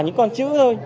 những con chữ thôi